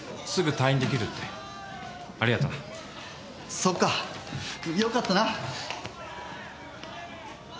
そっかよかったな。